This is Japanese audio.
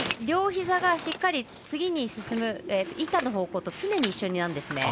両ひざがしっかり次に進む板の方向と常に一緒なんです。